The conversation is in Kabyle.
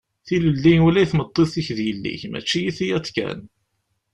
Tilelli ula i tmeṭṭut-ik d yelli-k, mačči i tiyaḍ kan.